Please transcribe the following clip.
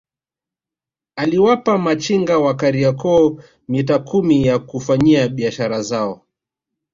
Aliwapa machinga wa Kariakoo mitaa kumi ya kufanyia biashara zao